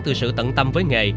từ sự tận tâm với nghề